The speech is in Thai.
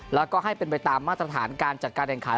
แล้วก็ให้เป็นไปตามมาตรฐานการจัดการแข่งขัน